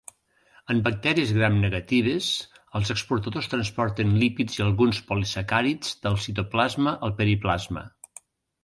En bacteris Gramnegatives, els exportadors transporten lípids i alguns polisacàrids del citoplasma al periplasma.